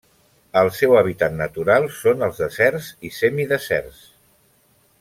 El seu hàbitat natural són els deserts i semideserts.